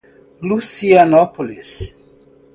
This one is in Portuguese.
Lucianópolis